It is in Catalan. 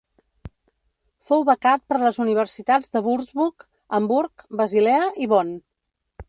Fou becat per les universitats de Würzburg, Hamburg, Basilea i Bonn.